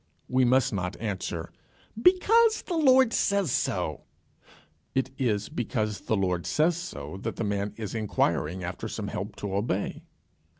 We must not answer "Because the Lord says so." It is because the Lord says so that the man is inquiring after some help to obey.